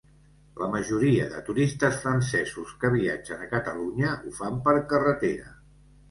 La majoria de turistes francesos que viatgen a Catalunya ho fan per carretera.